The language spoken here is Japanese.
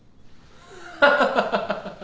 ハハハハ。